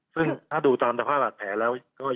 ซึ่งถ้าดูตามทภาพหลัดแผลแล้ว